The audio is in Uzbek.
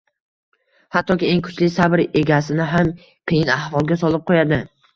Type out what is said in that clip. hattoki eng kuchli sabr egasini ham qiyin ahvolga solib qo‘yadi.